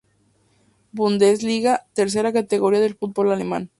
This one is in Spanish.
Bundesliga, tercera categoría del fútbol alemán.